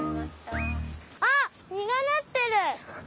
あっみがなってる！